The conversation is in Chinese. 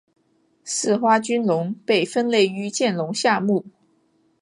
似花君龙被分类于剑龙下目。